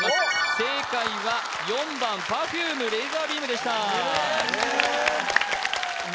正解は４番Ｐｅｒｆｕｍｅ「レーザービーム」でした言